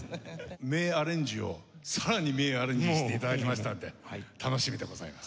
名アレンジをさらに名アレンジして頂きましたんで楽しみでございます。